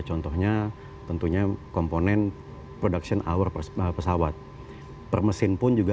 contohnya tentunya komponen produksi